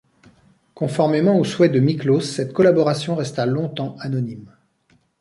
Conformément au souhait de Miklos, cette collaboration resta longtemps anonyme.